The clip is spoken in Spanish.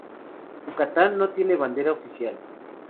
Yucatán no tiene bandera oficial.